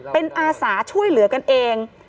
เป็นอาสาช่วยเหลือกันเอง